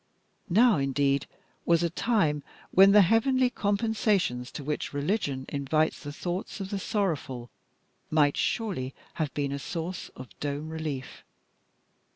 Now, indeed, was a time when the heavenly compensations to which religion invites the thoughts of the sorrowful might surely have been a source of dome relief.